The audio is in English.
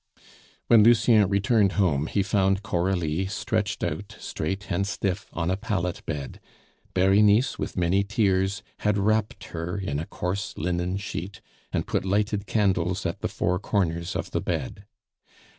When Lucien returned home, he found Coralie stretched out straight and stiff on a pallet bed; Berenice, with many tears, had wrapped her in a coarse linen sheet, and put lighted candles at the four corners of the bed.